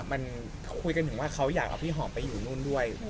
มันคุยกันถึงว่าเขาอยากเอาพี่หอมไปอยู่นู่นด้วย